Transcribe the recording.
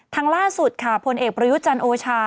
ทางล่าสุดค่ะผลเอกประยุจรรย์โอชา